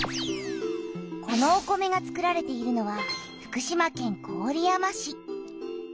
このお米がつくられているのは福島県郡山市。